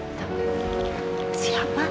sekarang dengan pikiran punyaku